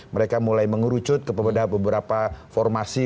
mereka mulai mengerucut kepada beberapa formasi